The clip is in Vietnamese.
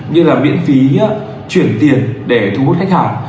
như là miễn phí chuyển tiền để thu hút khách hàng